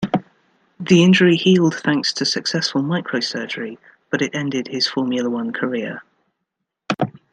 The injury healed thanks to successful microsurgery but it ended his Formula One career.